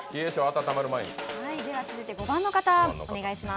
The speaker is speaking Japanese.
では、続いて５番の方、お願いします。